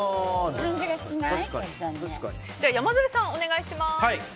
じゃあ、山添さんお願いします。